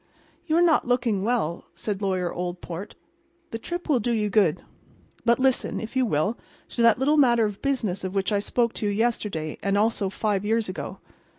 "You are not looking well," said Lawyer Oldport. "The trip will do you good. But listen, if you will, to that little matter of business of which I spoke to you yesterday, and also five years ago.